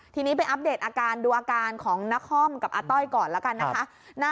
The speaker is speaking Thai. ทีนี้ไปอัปเดตอาการดูอาการของนครกับอาต้อยก่อนแล้วกันนะคะ